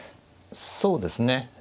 そうですね。